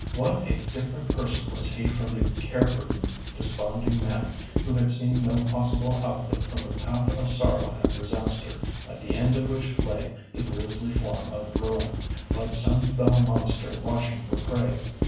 What a different person was he from the care burdened, desponding man who had seen no possible outlet from the path of sorrow and disaster, at the end of which lay the grisly form of Ruin, like some fell monster watching for prey.